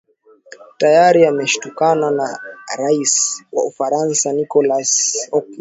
tayari ameshakutana na rais wa ufaransa nicholas sarkozy